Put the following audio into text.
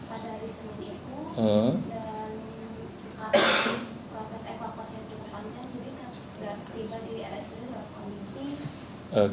jadi tiba di rsud dalam kondisi